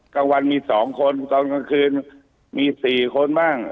กลางวันมี๒คนตอนกลางคืนมี๔คนบ้าง